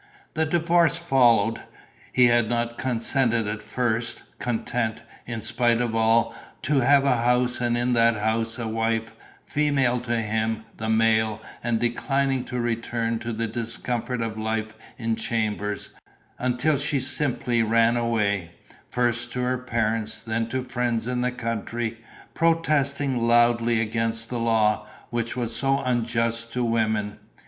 The divorce followed. He had not consented at first, content, in spite of all, to have a house and in that house a wife, female to him, the male, and declining to return to the discomfort of life in chambers, until she simply ran away, first to her parents, then to friends in the country, protesting loudly against the law, which was so unjust to women.